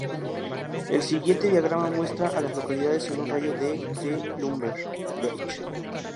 El siguiente diagrama muestra a las localidades en un radio de de Lumber Bridge.